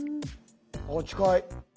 あっ近い。